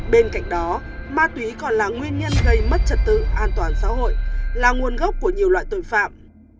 bên cạnh đó ma túy còn là nguyên nhân gây mất trật tự an toàn xã hội là nguồn gốc của nhiều loại tội phạm